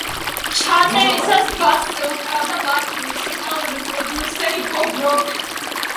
ჩაწერისას ბასზე უკრავდა მათი მუსიკალური პროდიუსერი ბობ როკი.